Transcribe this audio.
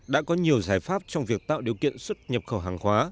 đã có nhiều giải pháp trong việc tạo điều kiện xuất nhập khẩu hàng hóa